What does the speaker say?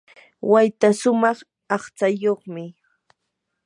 wayta shumaq aqtsayuqmi.